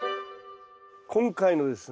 今回のですね